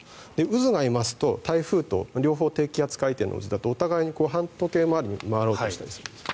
渦がいますと台風と両方、低気圧回転だとお互いに反時計回りに回ろうとしたりするんです。